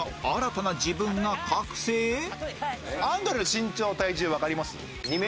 これまでアンドレの身長体重わかります？